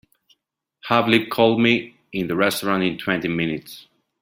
Have Liv call me in the restaurant in twenty minutes.